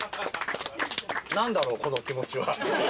なんだろう、この気持ちは。